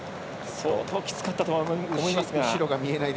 相当きつかったと思いますが。